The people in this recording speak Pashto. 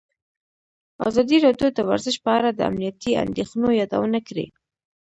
ازادي راډیو د ورزش په اړه د امنیتي اندېښنو یادونه کړې.